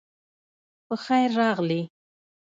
پخير راغلې